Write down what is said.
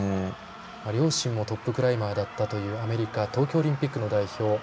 両親もトップクライマーだったというアメリカ東京オリンピックの代表。